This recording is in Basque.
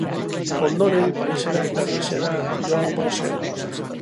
Ondoren, Parisera eta Greziara joango zen.